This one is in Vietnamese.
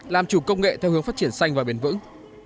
làm chủ công nghệ theo hướng phát triển xanh và bền vững